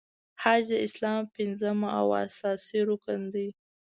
حج د اسلام پنځم او اساسې رکن دی .